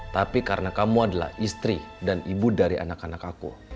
tapi karena kamu adalah istri dan ibu dari anak anak aku